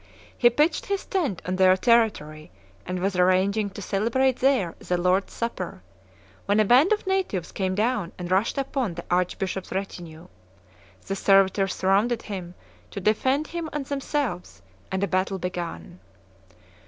He pitched his tent on their territory and was arranging to celebrate there the Lord's Supper, when a band of natives came down and rushed upon the archbishop's retinue. The servitors surrounded him, to defend him and themselves; and a battle began.